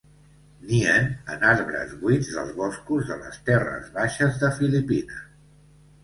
Nien en arbres buits dels boscos de les terres baixes de Filipines.